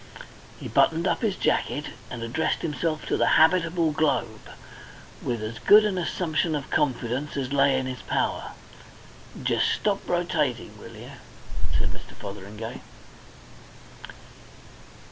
He buttoned up his jacket and addressed himself to the habitable globe, with as good an assumption of confidence as lay in his power. "Jest stop rotating, will you?" said Mr. Fotheringay.